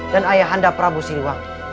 dan ayah anda prabu siliwangi